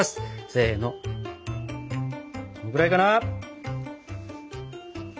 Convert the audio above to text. これくらいかな？